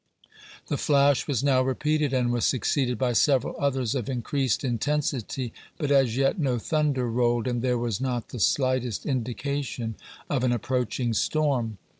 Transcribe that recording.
The flash was now repeated and was succeeded by several others of increased intensity, but as yet no thunder rolled and there was not the slightest indication of an approaching storm.